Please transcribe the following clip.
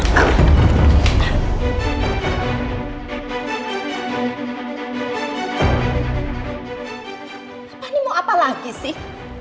ini mau apa lagi sih